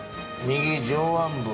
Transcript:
右上腕部。